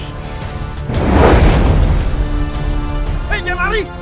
hei jangan lari